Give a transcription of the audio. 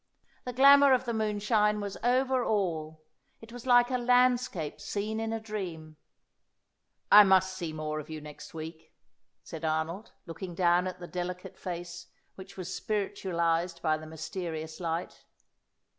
The glamour of the moonshine was over all; it was like a landscape seen in a dream. "I must see more of you next week," said Arnold, looking down at the delicate face which was spiritualised by the mysterious light.